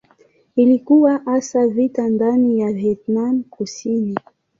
Ilikuwa hasa vita ndani ya Vietnam Kusini.